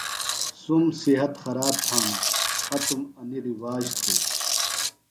سُم صحت خراب تھانوۡ، ختم انیۡ رِواج تھوئیۡ